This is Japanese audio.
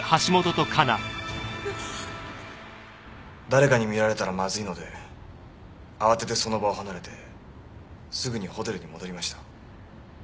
誰かに見られたらまずいので慌ててその場を離れてすぐにホテルに戻りました。